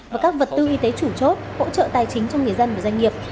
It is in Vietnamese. và các vật tư y tế chủ chốt hỗ trợ tài chính cho người dân và doanh nghiệp